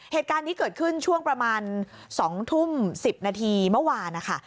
เหตุการณ์นี้เกิดขึ้นช่วงประมาณ๒ทุ่ม๑๐นาทีเมื่อวานนะคะ